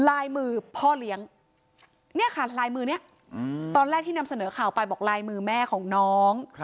ลายมือพ่อเลี้ยงเนี่ยค่ะลายมือนี้ตอนแรกที่นำเสนอข่าวไปบอกลายมือแม่ของน้อง